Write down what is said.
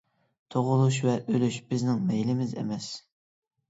تۇغۇلۇش ۋە ئۆلۈش بىزنىڭ مەيلىمىز ئەمەس.